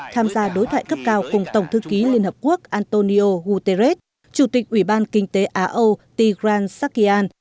tham gia đối thoại cấp cao cùng tổng thư ký liên hợp quốc antonio guterres chủ tịch ủy ban kinh tế á âu tigran sakian